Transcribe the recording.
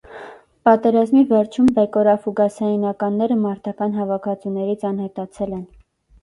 Պատերազմի վերջում բեկորաֆուգասային ականները մարտական հավաքածուներից անհետացել են։